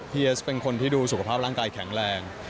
เอสเป็นคนที่ดูสุขภาพร่างกายแข็งแรง